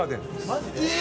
マジで？